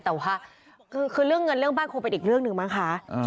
แต่ว่าคือเรื่องเงินเรื่องบ้านคงเป็นอีกเรื่องหนึ่งมั้งคะ